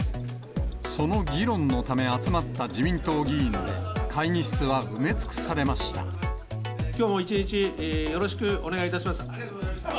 その議論のため集まった自民党議員で、きょうも一日、よろしくお願いいたします。